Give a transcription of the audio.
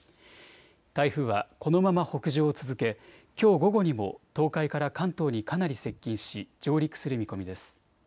台風はこのまま北上を続けきょう午後にも東海から関東にかなり接近し上陸する見込みです。